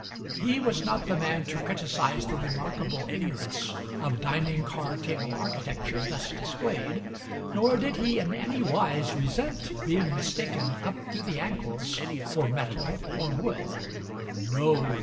He was not the man to criticise the remarkable ignorance of dining car table architecture thus displayed, nor did he in any wise resent being mistaken up to the ankles for metal or wood. No.